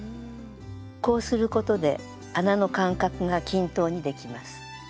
こうすることで穴の間隔が均等にできます。